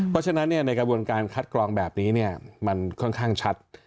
เพราะฉะนั้นในกระบวนการคัดกรองแบบนี้มันค่อนข้างชัด